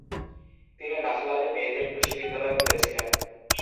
তিনি নাহলালে মেয়েদের কৃষি বিদ্যালয় খুলেছিলেন।